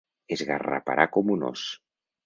Esgarraparà com un ós.